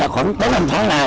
khoảng bốn năm tháng nay